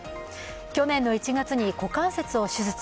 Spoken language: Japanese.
去年の１月に股関節を手術。